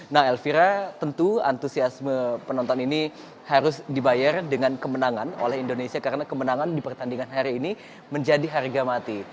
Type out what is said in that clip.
nah elvira tentu antusiasme penonton ini harus dibayar dengan kemenangan oleh indonesia karena kemenangan di pertandingan hari ini menjadi harga mati